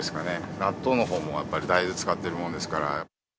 納豆のほうもやっぱり大豆使ってるもんですから。